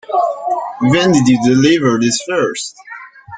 When did you deliver this first?